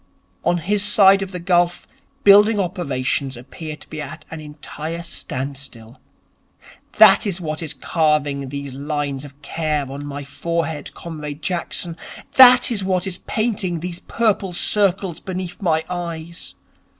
On his side of the gulf building operations appear to be at an entire standstill. That is what is carving these lines of care on my forehead, Comrade Jackson. That is what is painting these purple circles beneath my eyes.